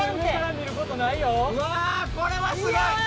うわあこれはすごい！